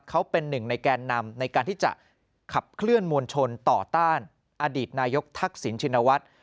เขาเป็นหนึ่งในแกนนำในการที่จะขับเคลื่อนมวลชนต่อต้านอดีตนายกทักษิณชินวัฒน์